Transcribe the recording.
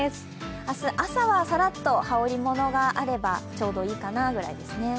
明日、朝はさらっと羽織り物があればちょうどいいかなくらいですね。